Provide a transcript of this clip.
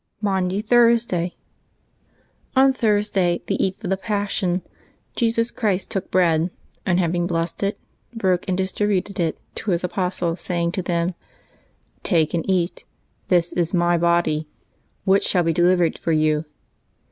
MAUNDY THURSDAY. ON Thursday, the eve of the Passion, Jesus Christ took bread, and, having blessed it, broke and dis tributed it to His apostles, saying to them, " Take and eat : this is My body, which shall be delivered for you."